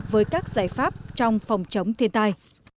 với các giải pháp trong phòng chống thiên tai